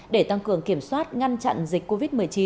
để tăng cường kiểm soát ngăn chặn dịch covid một mươi chín